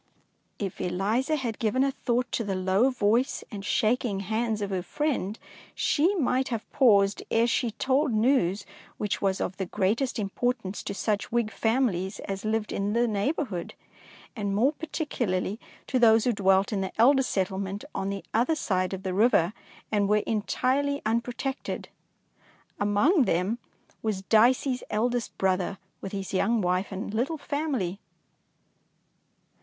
'' If Eliza had given a thought to the low voice and shaking hands of her friend, she might have paused ere she told news which was of the greatest importance to such Whig families as 236 DICEY LANGSTON lived in the neighbourhood, and more particularly to those who dwelt in the Elder Settlement on the other side of the river, and were entirely unpro tected. Among them was Dicey's eld est brother with his young wife and little family.